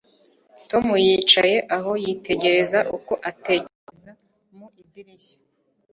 Tom yicaye aho yitegereza uko atekereza mu idirishya